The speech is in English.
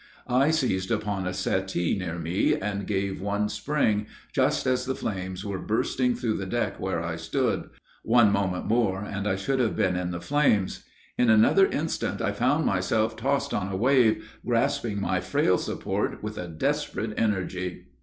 I seized upon a settee near me, and gave one spring, just as the flames were bursting through the deck where I stood one moment more and I should have been in the flames. In another instant I found myself tossed on a wave, grasping my frail support with a desperate energy."